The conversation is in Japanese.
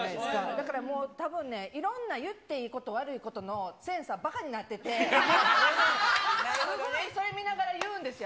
だからもう、たぶんね、いろんな言っていいこと、悪いことのセンサーばかになってて、それを見ながら言うんですよ。